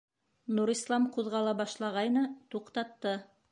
Нурислам ҡуҙғала башлағайны, туҡтатты.